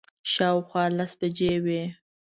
شاوخوا لس بجې وې.